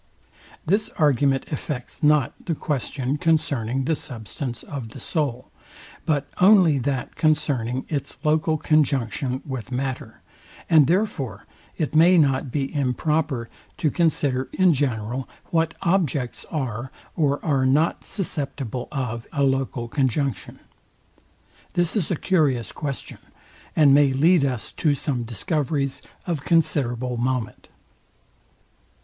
This argument affects not the question concerning the substance of the soul, but only that concerning its local conjunction with matter; and therefore it may not be improper to consider in general what objects are, or are not susceptible of a local conjunction. This is a curious question, and may lead us to some discoveries of considerable moment.